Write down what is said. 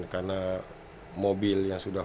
karena mobil yang sudah